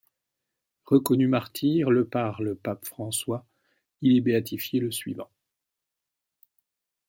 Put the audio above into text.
Reconnu martyr le par le pape François, il est béatifié le suivant.